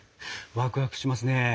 ワクワクしますね。